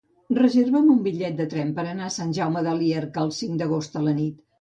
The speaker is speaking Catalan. Reserva'm un bitllet de tren per anar a Sant Jaume de Llierca el cinc d'agost a la nit.